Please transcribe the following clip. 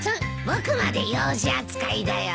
僕まで幼児扱いだよ。